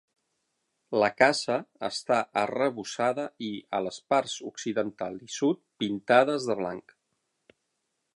La casa està arrebossada i, a les parts occidental i sud, pintades de blanc.